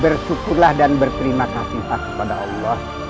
bersyukurlah dan berterima kasih pada allah